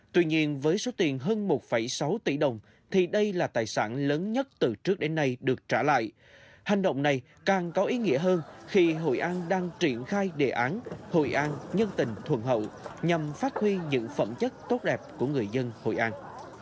tuy nhiên với số tiền hơn một sáu tỷ đồng thì đây là tài sản lớn nhất từ trước đến nay được trả lại hành động này càng có ý nghĩa hơn khi hội an đang triển khai đề án hội an nhân tình thuần hậu nhằm phát huy những phẩm chất tốt đẹp của người dân hội an